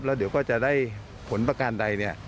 แล้วเดี๋ยวก็จะได้ผลประการใดเนี่ย